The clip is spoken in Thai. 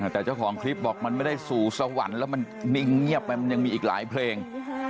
แต่เจ้าของคลิปบอกมันไม่ได้สู่สวรรค์แล้วมันนิ่งเงียบไปมันยังมีอีกหลายเพลง